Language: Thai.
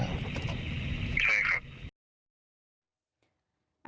ใช่ครับ